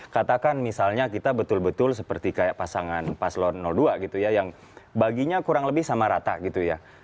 katakan misalnya kita betul betul seperti kayak pasangan paslon dua gitu ya yang baginya kurang lebih sama rata gitu ya